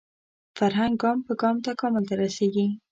فرهنګ ګام په ګام تکامل ته رسېږي